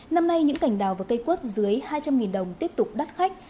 năm nay những cảnh đào và cây cuốt dưới hai trăm linh đồng tiếp tục đắt khách